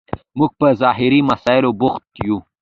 موږ په ظاهري مسایلو بوخت یو.